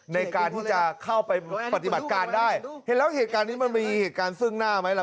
ในการที่จะเข้าไปปฏิบัติการได้เห็นแล้วเหตุการณ์นี้มันมีเหตุการณ์ซึ่งหน้าไหมล่ะ